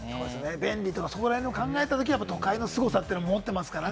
便利とか、そこらへん考えたときに、都会のすごさを持ってますからね。